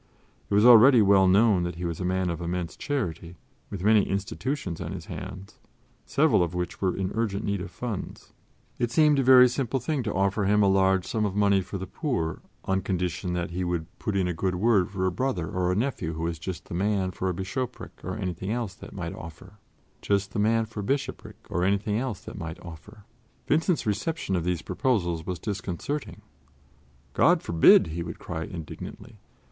It was already well known that he was a man of immense charity, with many institutions on his hands, several of which were in urgent need of funds. It seemed a very simple thing to offer him a large sum of money for the poor on condition that he would put in a good word for a brother or a nephew who was just the man for a bishopric or anything else that might offer. Vincent's reception of these proposals was disconcerting. "God forbid!" he would cry indignantly.